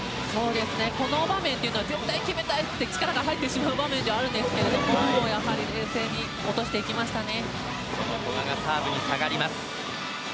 この場面って絶対決めたいと力が入ってしまう場面ではあるんですけど冷静に落としていきましたね。